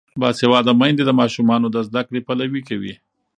باسواده میندې د ماشومانو د زده کړې پلوي کوي.